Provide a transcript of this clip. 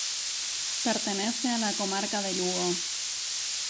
Pertenece a la Comarca de Lugo.